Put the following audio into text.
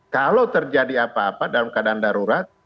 kalau terjadi apa apa dalam keadaan darurat